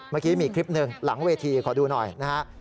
เมื่อกี้มีคลิปหนึ่งหลังเวทีขอดูหน่อยนะฮะ